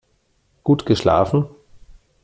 Gut geschlafen?